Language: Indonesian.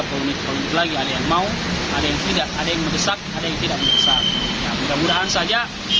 pun itu lagi ada yang mau ada yang tidak ada yang meresap ada yang tidak bisa mudah mudahan saja